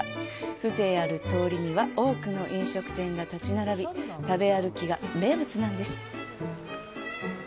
風情ある通りには多くの飲食店が立ち並び食べ歩きが名物なんです。